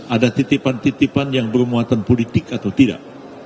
ada titipan titipan yang bermuatan politik atau tidak